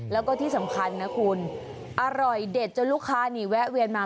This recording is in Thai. แล้วก็ที่สำคัญนะคุณอร่อยเด็ดจนลูกค้านี่แวะเวียนมา